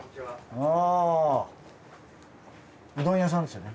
あうどん屋さんですよね？